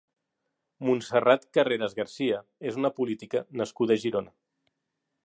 Montserrat Carreras García és una política nascuda a Girona.